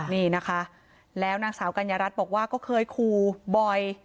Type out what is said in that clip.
นี่นะคะแล้วนางสาวกัญญารัฐบอกว่าก็เคยคูบ่อย